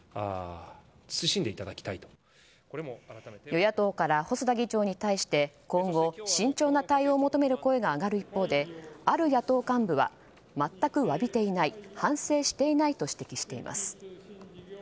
与野党から細田議長に対して今後、慎重な対応を求める声が上がる一方である野党幹部は全くわびていない反省していないと指摘しています。